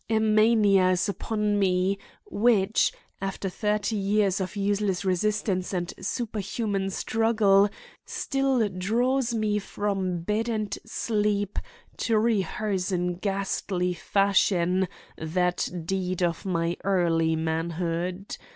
A mania is upon me which, after thirty years of useless resistance and superhuman struggle, still draws me from bed and sleep to rehearse in ghastly fashion that deed of my early manhood.